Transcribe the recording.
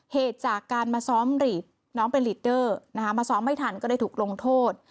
เหตุจากการมาซ้อมน้องเป็นลีดเดอร์มาซ้อมไม่ทันก็ได้ถูกลงโทษ